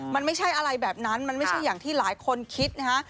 มันไม่ใช่อะไรแบบนั้นมันไม่ใช่อย่างที่หลายคนคิดนะฮะ